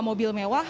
dua mobil mewah